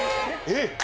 えっ！